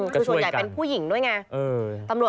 ก็ช่วยกัน